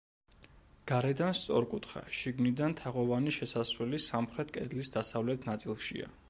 გარედან სწორკუთხა, შიგნიდან თაღოვანი შესასვლელი სამხრეთ კედლის დასავლეთ ნაწილშია.